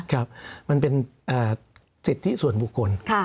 ครับมันเป็นสิทธิส่วนบุคคล